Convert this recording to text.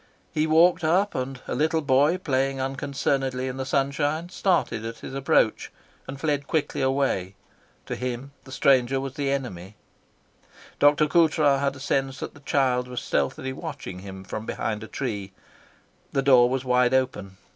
He walked up, and a little boy, playing unconcernedly in the sunshine, started at his approach and fled quickly away: to him the stranger was the enemy. Dr. Coutras had a sense that the child was stealthily watching him from behind a tree. The door was wide open.